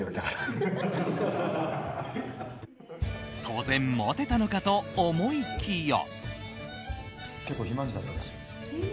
当然、モテたのかと思いきや。